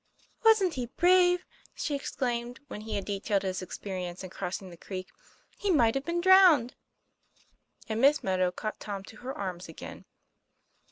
'Wasn't he brave!" she exclaimed, when he had detailed his experiences in crossing the creek. " He might have been drowned." And Miss Meadow caught Tom to her arms again.